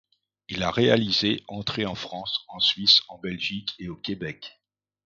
Il a réalisé entrées en France, en Suisse, en Belgique, et au Québec.